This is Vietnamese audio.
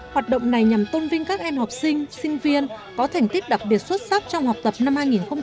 hoạt động này nhằm tôn vinh các em học sinh sinh viên có thành tích đặc biệt xuất sắc trong học tập năm hai nghìn một mươi tám